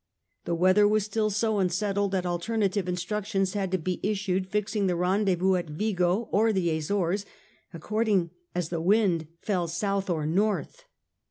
The weather was still so unsettled that alternative in structions had to be issued fixing the rendezvous at Vigo or the Azores according as the wind fell south or north.